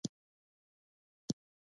احمد په ډوډۍ پسې شپه وکړه.